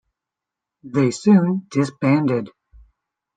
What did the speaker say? They soon disbanded.